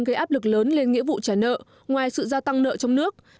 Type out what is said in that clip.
gây áp lực lớn lên nghĩa vụ trả nợ ngoài sự gia tăng nợ trong nước